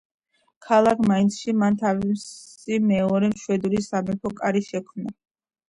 ქალაქ მაინცში მან თავისი მეორე შვედური სამეფო კარი შექმნა.